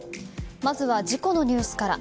まずは事故のニュースから。